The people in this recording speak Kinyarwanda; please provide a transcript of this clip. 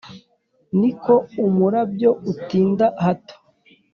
Ni ko umurabyo utinda hato